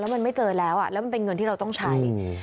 มันไม่เจอแล้วแล้วมันเป็นเงินที่เราต้องใช้